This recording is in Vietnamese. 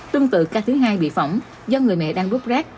tương tự ca thứ hai bị phỏng do người mẹ đang rút rác